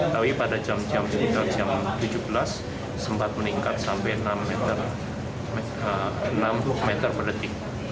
tapi pada jam jam sekitar jam tujuh belas sempat meningkat sampai enam puluh meter per detik